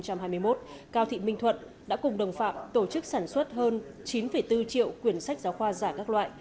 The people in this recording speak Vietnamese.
cao thị minh thuận đã cùng đồng phạm tổ chức sản xuất hơn chín bốn triệu quyền sách giáo khoa giả các loại